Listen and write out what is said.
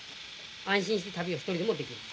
安心して旅を一人でもできます。